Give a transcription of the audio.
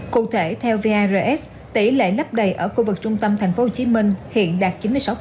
cụ thể theo vars tỷ lệ lấp đầy ở khu vực trung tâm tp hcm hiện đạt chín mươi sáu